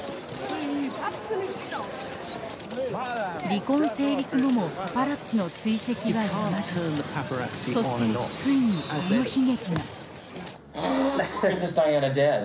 離婚成立後もパパラッチの追跡はやまずそして、ついにあの悲劇が。